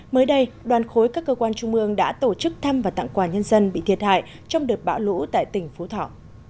mới đây đoàn khối các cơ quan trung ương đã tổ chức thăm và tặng quà nhân dân bị thiệt hại trong đợt bão lũ tại tỉnh phú thọ